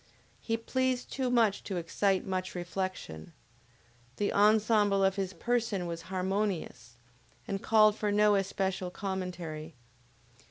He pleased too much to excite much reflection. The ensemble of his person was harmonious, and called for no especial commentary.